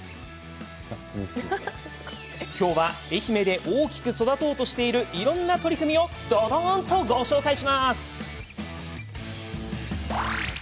きょうは、愛媛で大きく育とうとしているいろんな取り組みをどどんとご紹介します。